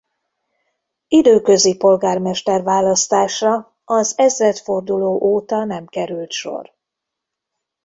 Időközi polgármester-választásra az ezredforduló óta nem került sor.